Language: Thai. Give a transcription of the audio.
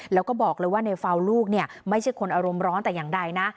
แล้วก็บอกเลยว่าในเฟาลูกเนี่ยไม่ใช่คนอารมณ์ร้อนแต่อย่างใดนะ